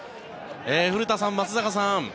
古田さん、松坂さん。